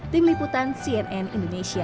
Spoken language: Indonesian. tim liputan cnn indonesia